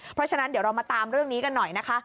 เพราะฉะนั้นเดี๋ยวเรามาตามเรื่องนี้กันหน่อยนะคะ